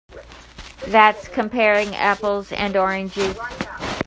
That's comparing apples and oranges.